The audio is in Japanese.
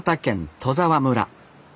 戸沢村。